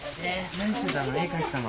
何してたの？